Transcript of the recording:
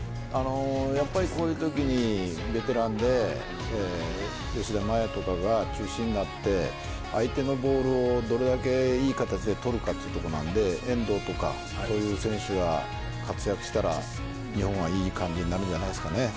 やっぱり、こういうときにベテランで吉田麻也とかが中心になって相手のボールをどれだけいい形で取るかというところなので遠藤とかそういう選手が活躍したら日本はいい感じになるんじゃないですかね。